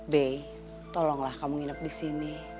be tolonglah kamu nginep disini